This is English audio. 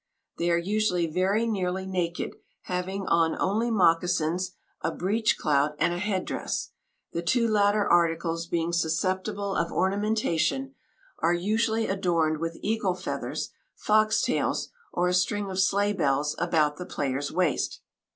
They are usually very nearly naked, having on only moccasins, a breech clout and a head dress; the two latter articles, being susceptible of ornamentation, are usually adorned with eagle feathers, foxtails, or a string of sleigh bells about the player's waist.